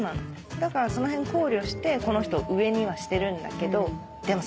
だからそのへん考慮してこの人を上にはしてるんだけどでもさ